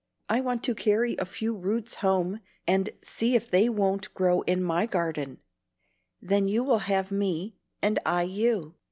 I want to carry a few roots home, and see if they won't grow in my garden. Then you will have me, and I you.